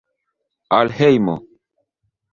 Al hejmo!